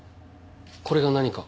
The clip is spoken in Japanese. これが何か？